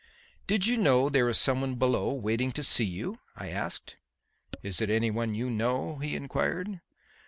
"Did you know that there is some one below waiting to see you?" I asked. "Is it anyone you know?" he inquired.